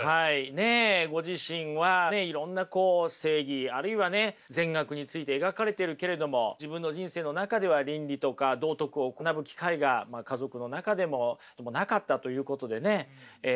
ねえご自身はいろんなこう正義あるいはね善悪について描かれているけれども自分の人生の中では倫理とか道徳を学ぶ機会が家族の中でもなかったということでね悩まれてる。